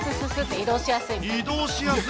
移動しやすい？